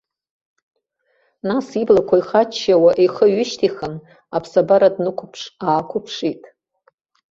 Нас иблақәа ихаччауа ихы ҩышьҭихын, аԥсабара днықәԥш-аақәԥшит.